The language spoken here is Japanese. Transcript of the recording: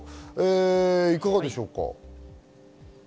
いかがでしょうか？